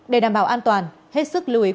để đảm bảo an toàn hết sức lưu ý quý vị